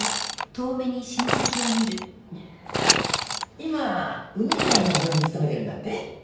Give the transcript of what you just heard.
今海平の病院に勤めてるんだって？